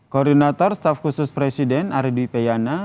koordinator staff khusus presiden aridwi peyana